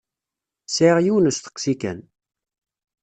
Sɛiɣ yiwen n usteqsi kan.